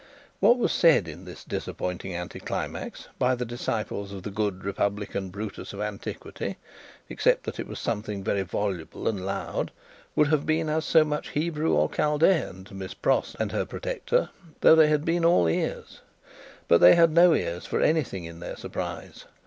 What was said in this disappointing anti climax, by the disciples of the Good Republican Brutus of Antiquity, except that it was something very voluble and loud, would have been as so much Hebrew or Chaldean to Miss Pross and her protector, though they had been all ears. But, they had no ears for anything in their surprise.